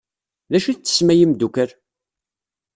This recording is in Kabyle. D acu i tettessem ay imdukal?